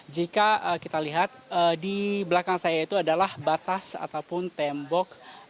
jika kita lihat di belakang saya itu adalah batas ataupun tembok